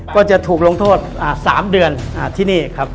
ก็จะถูกลงโทษ๓เดือนที่นี่ครับ